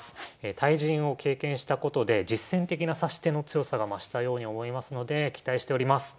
対人を経験したことで実戦的な指し手の強さが増したように思いますので期待しております。